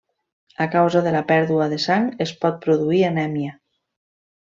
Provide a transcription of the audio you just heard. A causa de la pèrdua de sang, es pot produir anèmia.